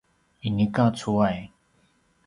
inika cuway